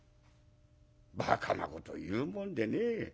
「ばかなこと言うもんでねえ。